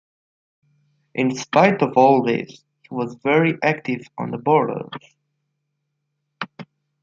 In spite of all this, he was very active on the borders.